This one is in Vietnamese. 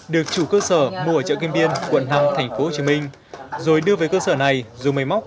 được chủ cơ sở mua ở chợ kim biên quận năm thành phố hồ chí minh rồi đưa về cơ sở này dùng mây móc